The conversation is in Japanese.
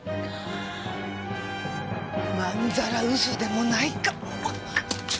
まんざら嘘でもないかも。